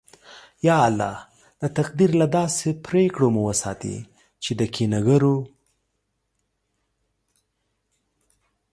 یا الله! د تقدیر له داسې پرېکړو مو وساتې چې د کینه گرو